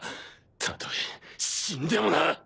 たとえ死んでもな！